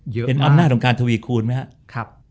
เห็นออนไลน์ของการทวีคูณไหมครับครับ